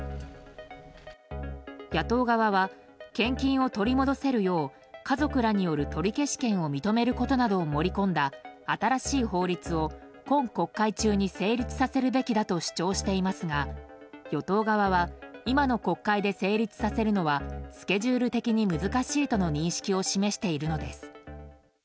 野党側は献金を取り戻せるよう家族らによる取り消し権を認めることなどを盛り込んだ新しい法律を今国会中に成立させるべきだと主張していますが与党側は今の国会で成立させるのはスケジュール的に難しいとの認識を示しているのです。